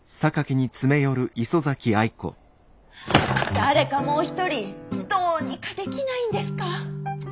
誰かもう一人どうにかできないんですか？